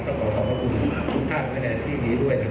สบาย